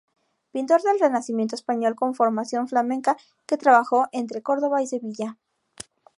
Pintor del renacimiento español con formación flamenca que trabajó entre Córdoba y Sevilla.